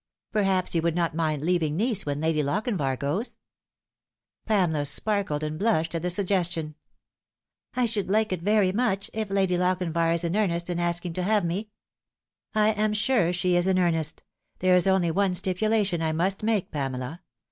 Perhaps you would not mind leaving Nice when Lady Lochinvar goes ?" Pamela sparkled and blushed at the suggestion. " I should like it very much, if Lady Lochinvar is in earnest in asking to have me." 296 The Fatal " I am sure she is in earnest. There is only one stipulation I must make, Pamela.